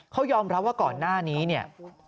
เขายอมรับว่าก่อนหน้านี้